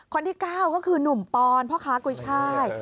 คนที่๙ก็คือหนุ่มปอนพ่อค้ากุยช่าย